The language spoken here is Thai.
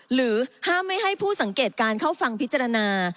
หรือห้ามไม่ให้ผู้สังเกตการเข้าฟังพิจารณา